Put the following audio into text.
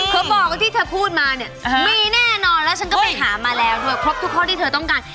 เขาบอกว่าที่เธอพูดมาเนี่ยมีแน่นอนแล้วฉันก็ไปถามมาแล้วด้วยครบทุกข้อที่เธอต้องการ